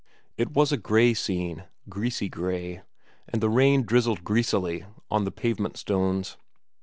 It was a gray scene, greasy gray, and the rain drizzled greasily on the pavement stones.